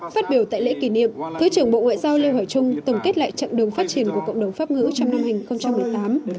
phát biểu tại lễ kỷ niệm thứ trưởng bộ ngoại giao lê hoài trung tổng kết lại chặng đường phát triển của cộng đồng pháp ngữ trong năm hai nghìn một mươi tám